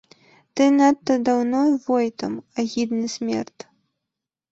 Ты надта даўно войтам, агідны смерд.